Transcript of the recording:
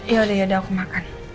yaudah aku makan